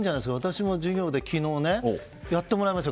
私も授業で昨日やってもらいましたよ。